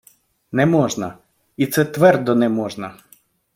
Не можна, і це твердо не можна.